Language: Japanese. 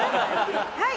はい。